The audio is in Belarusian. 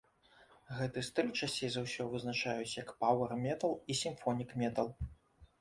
Гэты стыль часцей за ўсё вызначаюць як паўэр-метал і сімфонік-метал.